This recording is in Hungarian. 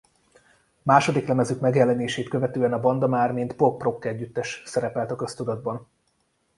Második lemezük megjelenését követően a banda már mint pop-rock együttes szerepelt a köztudatban.